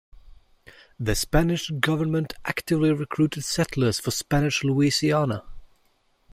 The Spanish government actively recruited settlers for Spanish Louisiana.